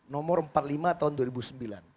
nomor empat puluh lima tahun dua ribu sembilan